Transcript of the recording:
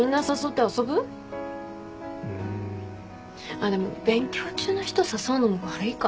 あっでも勉強中の人誘うのも悪いか。